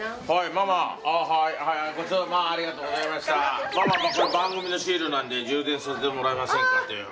ママこれ番組のシールなんで充電させてもらえませんかっていうの。